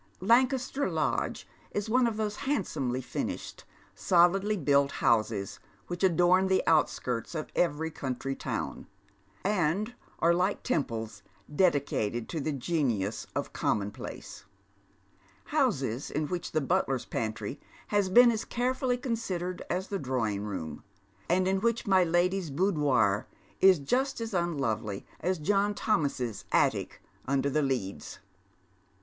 Lancaster Lodge is one of those handsomely finished, solidly built houses which adorn the outsldits of every country town, and are like temples dedicated to the genius of commonplace : houses in which the butler's pantry has been as carefully considered as the drawing room, and in wliicli my lady's boudoir is just as unlovely as John Thomas's attic under the leads.